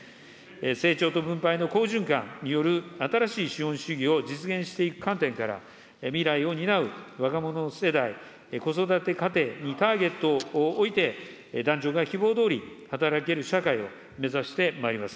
成長と分配の好循環による新しい資本主義を実現していく観点から、未来を担う若者の世代、子育て家庭にターゲットを置いて、男女が希望どおり働ける社会を目指してまいります。